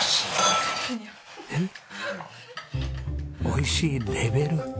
おいしいレベル？